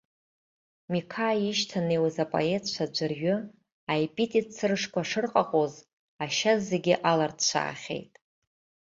Миқаиа ишьҭанеиуаз апоетцәа аӡәырҩы аепитет црышқәа шырҟаҟоз ашьа зегьы алырцәцәаахьеит.